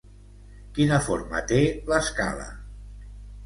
Quina forma té l'escala?